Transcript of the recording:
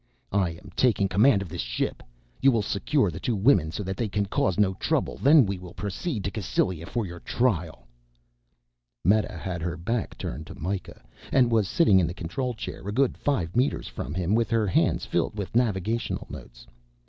"I am taking command of this ship. You will secure the two women so that they can cause no trouble, then we will proceed to Cassylia for your trial." Meta had her back turned to Mikah and was sitting in the control chair a good five meters from him with her hands filled with navigational notes.